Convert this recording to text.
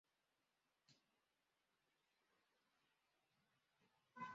La empresa Double Negative creó los efectos visuales del film.